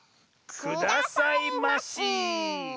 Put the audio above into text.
くださいまし。